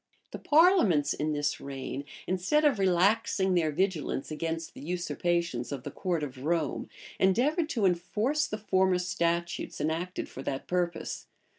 1 The parliaments in this reign, instead of relaxing their vigilance against the usurpations of the court of Rome, endeavored to enforce the former statutes enacted for that purpose.